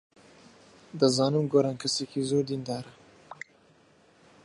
دەزانم گۆران کەسێکی زۆر دیندارە.